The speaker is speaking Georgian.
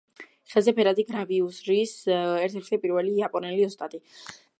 ხეზე ფერადი გრავიურის ერთ-ერთი პირველი იაპონელი ოსტატი.